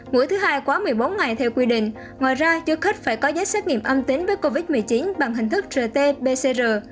mũi thứ hai quá một mươi bốn ngày theo quy định ngoài ra du khách phải có giấy xét nghiệm âm tính với covid một mươi chín bằng hình thức rt pcr